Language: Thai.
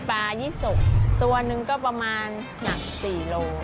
ปลายี่สกตัวหนึ่งก็ประมาณหนัก๔โล